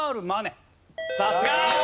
さすが！